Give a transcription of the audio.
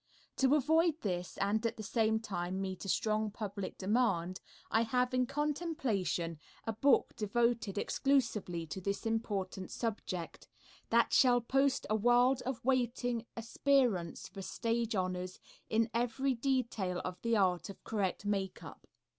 To avoid this and at the same time meet a strong public demand, I have in contemplation a book devoted exclusively to this important subject, that shall post a world of waiting aspirants for stage honors in every detail of the art of correct makeup.